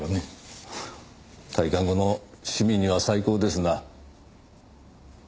退官後の趣味には最高ですな。